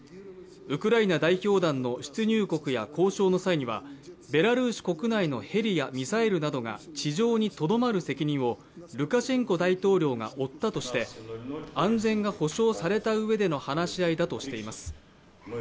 ウクライナ代表団の出入国や交渉の際にはベラルーシ国内のヘリやミサイルなどが地上にとどまる責任をルカシェンコ大統領が負ったとして安全が保障されたうえでの話し合いだとしています。